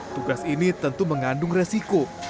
tugas ini tentu mengandung resiko